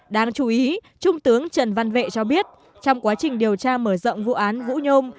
đáng chú ý trung tướng trần văn vệ cho biết trong quá trình điều tra mở rộng vụ án vũ nhôm